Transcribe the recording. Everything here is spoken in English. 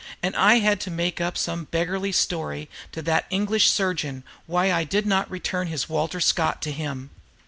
And I had to make up some beggarly story to that English surgeon why I did not return his Walter Scott to him."